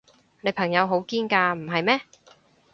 你朋友好堅㗎，唔係咩？